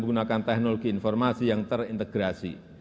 menggunakan teknologi informasi yang terintegrasi